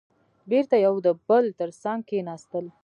بېرته يو د بل تر څنګ کېناستل.